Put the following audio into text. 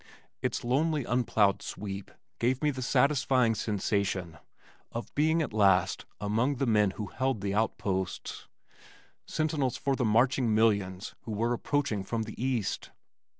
Its lonely unplowed sweep gave me the satisfying sensation of being at last among the men who held the outposts, sentinels for the marching millions who were approaching from the east.